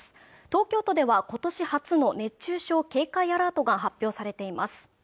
東京都では今年初の熱中症警戒アラートが発表されています